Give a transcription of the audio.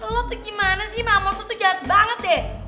lo tuh gimana sih mamam tuh tuh jahat banget deh